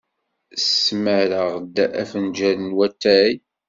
Smareɣ-d afenjal n watay.